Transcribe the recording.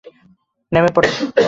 নেমে পড়ো!